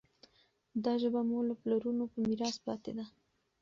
دا ژبه مو له پلرونو په میراث پاتې ده.